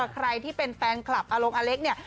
ใครที่เป็นแฟนคลับอารงอเล็กเนี่ย